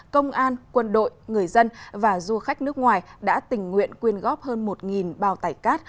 công an quân đội người dân và du khách nước ngoài đã tình nguyện quyên góp hơn một bao tải cát